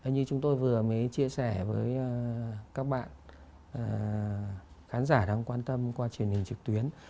như chúng tôi vừa mới chia sẻ với các bạn khán giả đang quan tâm qua truyền hình trực tuyến